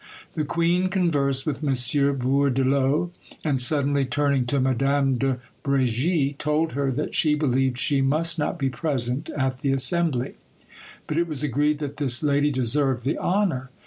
The queen conversed with M. Bourdelot; and suddenly turning to Madame de Bregis, told her that she believed she must not be present at the assembly; but it was agreed that this lady deserved the honour.